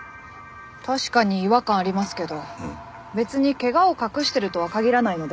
確かに違和感ありますけど別に怪我を隠してるとは限らないのでは？